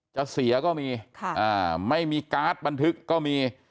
จะเสียก็มีไม่มีการ์ดบันทึกก็มี